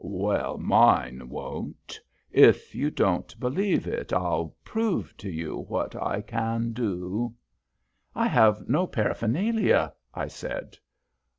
"Well, mine won't. If you don't believe it, I'll prove to you what I can do." "I have no paraphernalia," I said.